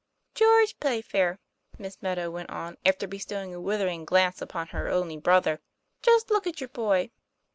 "George Playfair," Miss Meadow went on, after bestowing a withering glance upon her only brother, 'just look at your boy."